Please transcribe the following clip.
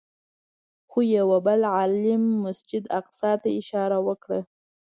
خو یوه بل عالم مسجد اقصی ته اشاره وکړه.